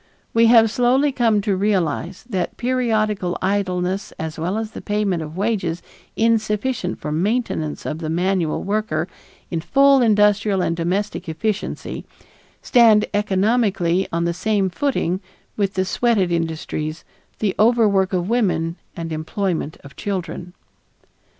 We have slowly come to realize that periodical idleness as well as the payment of wages insufficient for maintenance of the manual worker in full industrial and domestic efficiency, stand economically on the same footing with the "sweated" industries, the overwork of women, and employment of children.